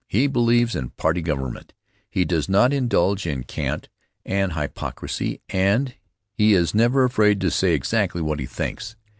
He believes in party government; he does not indulge in cant and hypocrisy and he is never afraid to say exactly what he thinks.